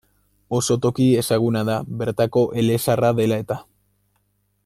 Oso toki ezaguna da, bertako elezaharra dela eta.